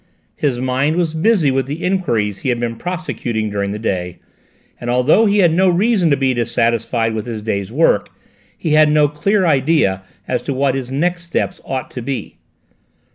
His mind was busy with the enquiries he had been prosecuting during the day, and although he had no reason to be dissatisfied with his day's work he had no clear idea as to what his next steps ought to be.